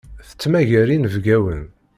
Tettmagar inebgawen.